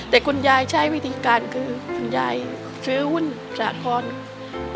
แต่คุณยายใช้วิธีการคือคุณยายซื้อหุ้นสาครค่ะ